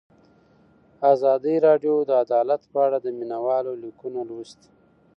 ازادي راډیو د عدالت په اړه د مینه والو لیکونه لوستي.